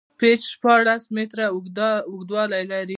پېچ شپاړس میتره اوږدوالی لري.